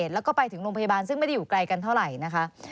แล้วก็ไปถึงโรงพยาบาลซึ่งไม่ได้อยู่ไกลกันเท่าไหร่นะคะ